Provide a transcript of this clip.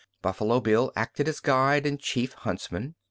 Buffalo Bill acted as guide and chief huntsman.